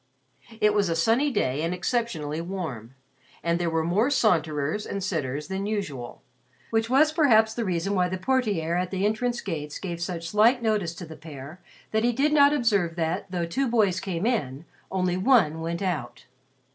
It was a sunny day and exceptionally warm, and there were more saunterers and sitters than usual, which was perhaps the reason why the ___portier___ at the entrance gates gave such slight notice to the pair that he did not observe that, though two boys came in, only one went out.